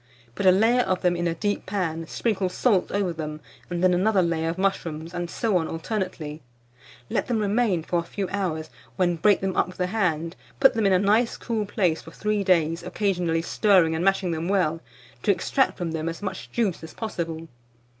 Put a layer of them in a deep pan, sprinkle salt over them, and then another layer of mushrooms, and so on alternately. Let them remain for a few hours, when break them up with the hand; put them in a nice cool place for 3 days, occasionally stirring and mashing them well, to extract from them as much juice as possible.